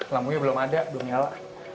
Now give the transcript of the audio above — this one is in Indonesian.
lampunya belum ada belum nyala